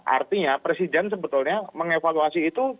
artinya presiden sebetulnya mengevaluasi itu